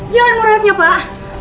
jangan murah ya pak